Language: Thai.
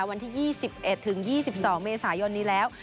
วันที่๒๑๒๒เมษายนนี้แล้ว